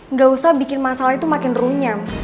nggak usah bikin masalah itu makin runyam